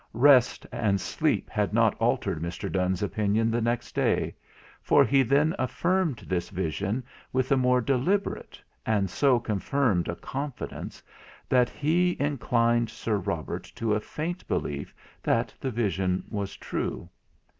Rest and sleep had not altered Mr. Donne's opinion the next day: for he then affirmed this vision with a more deliberate, and so confirmed a confidence, that he inclined Sir Robert to a faint belief that the vision was true.